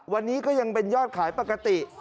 วันนี้ก็ยังเป็นยอดขายปกติ